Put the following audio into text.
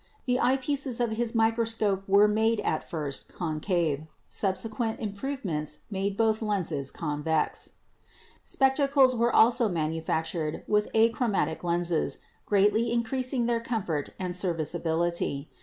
The eyepieces of his microscope were made at first concave; subsequent improvements made both lenses convex. Spectacles also were manufactured with achromatic lenses, greatly increasing their comfort and serviceability.